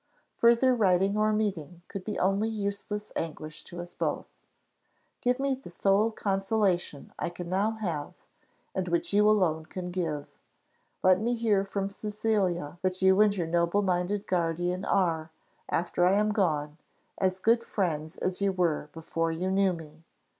Further writing or meeting could be only useless anguish to us both. Give me the sole consolation I can now have, and which you alone can give let me hear from Cecilia that you and your noble minded guardian are, after I am gone, as good friends as you were before you knew me.